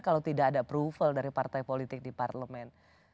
kalau tidak ada approval dari partai politik di parlemen